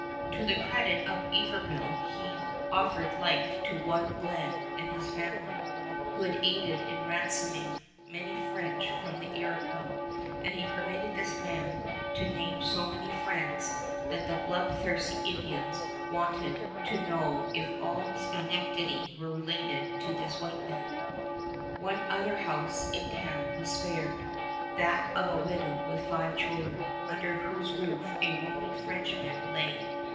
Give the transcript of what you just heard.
To the credit of Iberville he offered life to one Glenn and his family, who had aided in ransoming many French from the Iroquois, and he permitted this man to name so many friends that the bloodthirsty Indians wanted to know if all Schenectady were related to this white man. One other house in the town was spared, that of a widow with five children, under whose roof a wounded Frenchman lay.